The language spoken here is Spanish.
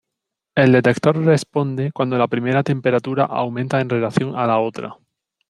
El detector responde cuando la primera temperatura aumenta en relación a la otra.